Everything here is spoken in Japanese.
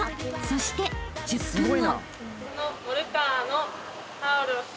［そして１０分後］